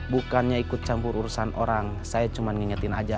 bukannya ikut campur urusan orang saya cuman nginyetin aja